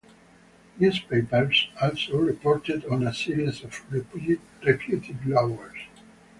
Newspapers also reported on a series of reputed lovers.